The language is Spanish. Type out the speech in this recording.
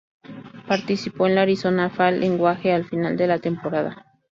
Participó en la Arizona Fall League al final de la temporada.